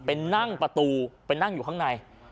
ไปนั่งประตูไปนั่งอยู่ข้างใน